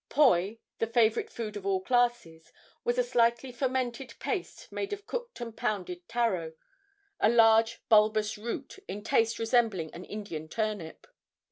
Poi, the favorite food of all classes, was a slightly fermented paste made of cooked and pounded taro, a large bulbous root, in taste resembling an Indian turnip.